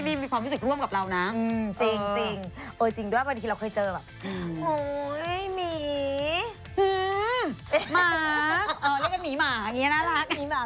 อ๋อเรียกกันหมีหมาอย่างงี้น่ารักหมีหมาหมีหมา